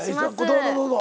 どうぞどうぞ。